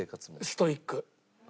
ストイック。